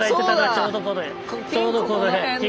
ちょうどこのへん。